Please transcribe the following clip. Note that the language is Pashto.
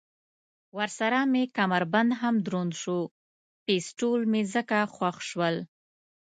ورسره مې کمربند هم دروند شو، پېسټول مې ځکه خوښ شول.